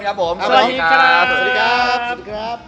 สวัสดีครับ